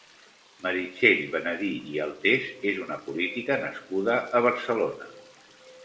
Meritxell Benedí i Altés és una política nascuda a Barcelona.